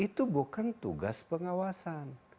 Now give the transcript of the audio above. itu bukan tugas pengawasan